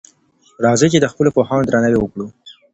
راځئ چی د خپلو پوهانو درناوی وکړو.